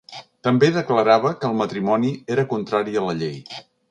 També declarava que el matrimoni era contrari a la llei.